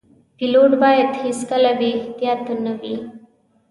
پیلوټ باید هیڅکله بې احتیاطه نه وي.